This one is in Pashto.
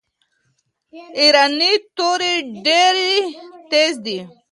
ایرانۍ توري ډیري تیزي دي.